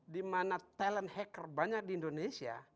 di mana talent hacker banyak di indonesia